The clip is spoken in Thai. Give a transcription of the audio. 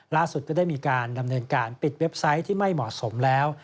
ก็ได้มีการดำเนินการปิดเว็บไซต์ที่ไม่เหมาะสมแล้ว